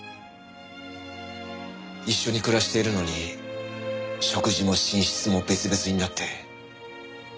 一緒に暮らしているのに食事も寝室も別々になって。